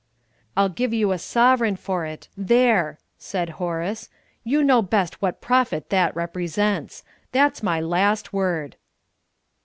"I'll give you a sovereign for it there," said Horace. "You know best what profit that represents. That's my last word."